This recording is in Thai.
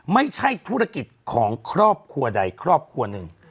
ไม่ใช่ธุรกิจของครอบครัวใดครอบครัวหนึ่ง